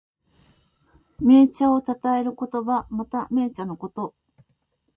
銘茶をたたえる言葉。また、銘茶のこと。